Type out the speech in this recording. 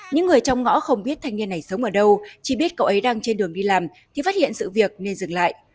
những người trong ngõ không biết thanh niên này sống ở đâu chỉ biết cậu ấy đang trên đường đi làm thì phát hiện sự việc nên dừng lại